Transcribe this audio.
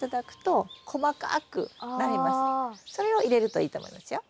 それを入れるといいと思いますよ。